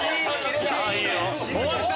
終わった。